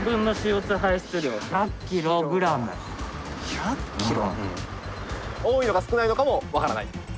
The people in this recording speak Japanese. １００ｋｇ？多いのか少ないのかも分からない。